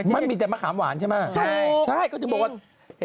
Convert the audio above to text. มันมีแต่มะขามหวานใช่ไหม